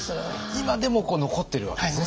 今でも残ってるわけですね